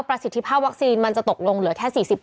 ประสิทธิภาพวัคซีนมันจะตกลงเหลือแค่๔๐